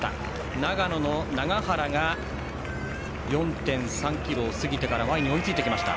長野の永原が４．３ｋｍを過ぎてから前に追いついてきました。